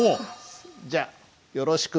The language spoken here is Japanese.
じゃあよろしく。